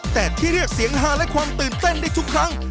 แต่ที่เรียกเสียงฮาและความตื่นเต้นได้ทุกครั้ง